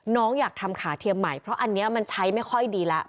อยากทำขาเทียมใหม่เพราะอันนี้มันใช้ไม่ค่อยดีแล้ว